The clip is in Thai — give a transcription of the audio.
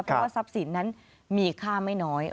เพราะว่าทรัพย์สินนั้นมีค่าไม่น้อย